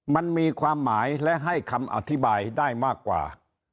มันมีความหมายและให้คำอธิบายได้มากกว่า